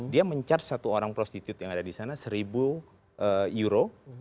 dia mencharge satu orang prostitute yang ada di sana seribu euro